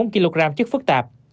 tám chín mươi bốn kg chất phức tạp